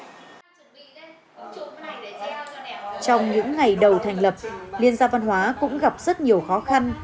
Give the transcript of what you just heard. trong những ngày đầu thành lập liên gia văn hóa cũng gặp rất nhiều khó khăn